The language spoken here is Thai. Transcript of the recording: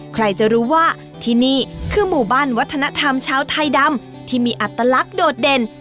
ใครจะรู้ว่าที่นี่คือหมู่บ้านวัฒนธรรมชาวไทยดำที่มีอัตลักษณ์โดดเด่น